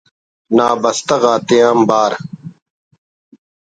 تا بستہ غاتیانبار